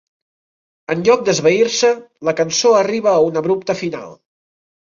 En lloc d'esvair-se, la cançó arriba a un abrupte final.